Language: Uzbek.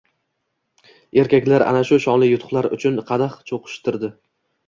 Erkaklar ana shu shonli yutuqlar uchun qadah cho‘qishtirdi.